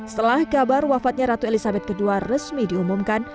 setelah kabar wafatnya ratu elizabeth ii resmi diumumkan